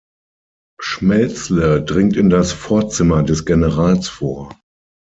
Schmelzle dringt in das Vorzimmer des Generals vor.